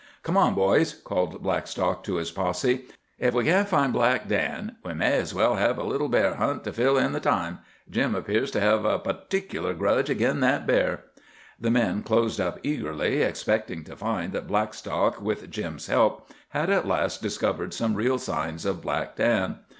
"Come on, boys," called Blackstock to his posse. "Ef we can't find Black Dan we may as well hev a little bear hunt to fill in the time. Jim appears to hev a partic'lar grudge agin that bear." The men closed up eagerly, expecting to find that Blackstock, with Jim's help, had at last discovered some real signs of Black Dan.